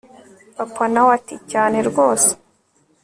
papa nawe ati cyane rwose